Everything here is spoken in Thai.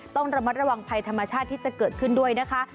ต้องระมัดระวังภัยธรรมชาติที่จะเกิดขึ้นด้วยนะคะ